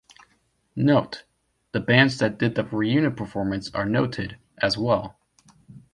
Note: The bands that did the reunion performance are noted, as well.